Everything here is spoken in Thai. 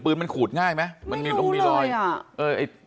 ปืนขูดง่ายมั้ยไม่รู้เลยอะ